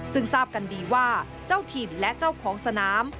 ซึ่งทราบกันดีว่าเจ้าถิ่นและเจ้าของสนาม